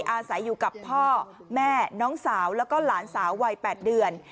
อาศัยอยู่กับพ่อแม่น้องสาวแล้วก็หลานสาววัย๘เดือน